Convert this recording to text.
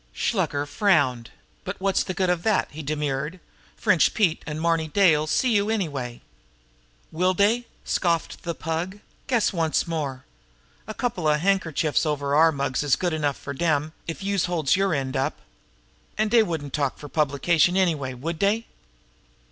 Shluker frowned. "But what's the good of that?" he demurred. "French Pete and Marny Day 'll see you anyway." "Will dey!" scoffed the Pug. "Guess once more! A coupla handkerchiefs over our mugs is good enough fer dem, if youse holds yer end up. An' dey wouldn't talk fer publication, anyway, would dey?"